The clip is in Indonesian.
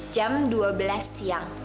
jam dua belas siang